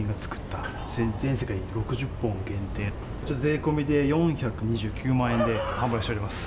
こちら税込みで４２９万円で販売しております。